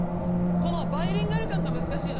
このバイリンガル感が難しいの。